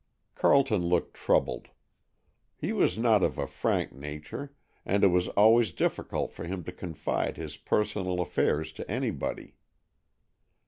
Carleton looked troubled. He was not of a frank nature, and it was always difficult for him to confide his personal affairs to anybody.